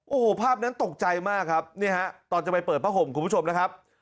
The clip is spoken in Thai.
โอ้โหภาพนั้นตกใจมากครับนี่ฮะตอนจะไปเปิดผ้าห่มคุณผู้ชมนะครับ